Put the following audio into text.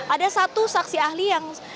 ada satu saksi ahli yang